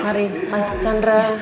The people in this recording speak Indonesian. mari mas chandra